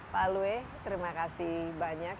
pak alwe terima kasih banyak